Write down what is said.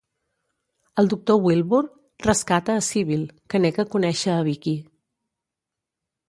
El doctor Wilbur rescata a Sybil, que nega conèixer a Vickie.